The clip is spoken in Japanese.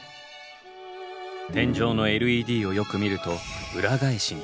天井のＬＥＤをよく見ると裏返しに。